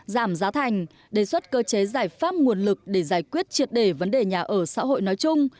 giảm giá thành đề xuất cơ chế giải pháp nguồn lực để giải quyết triệt đề vấn đề nhà ở xã hội nói chung